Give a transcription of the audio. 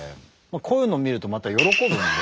こういうのを見るとまた喜ぶんで。